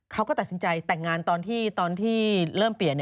เขาก็ตัดสินใจแต่งงานตอนที่เริ่มเปลี่ยน